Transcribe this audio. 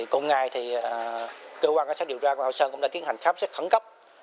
cùng ngày cơ quan cảnh sát điều tra công an huyện thoại sơn cũng đã tiến hành khám xét khẩn cấp